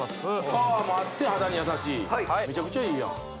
パワーもあって肌に優しいはいめちゃくちゃいいやん